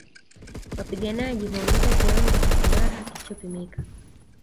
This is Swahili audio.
Wapiganaji huongeza kiwango cha furaha kisichopimika